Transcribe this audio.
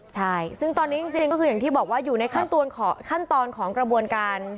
ใช่ซึ่งตอนนี้จริงก็คืออย่างที่บอกว่าอยู่ในขั้นตอนของกระบวนการ